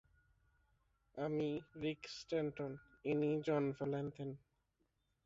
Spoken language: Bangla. আমি রিক স্ট্যানটন, ইনি জন ভোল্যান্থেন।